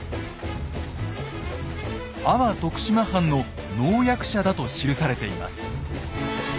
阿波徳島藩の能役者だと記されています。